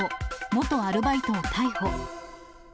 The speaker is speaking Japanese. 元アルバイトを逮捕。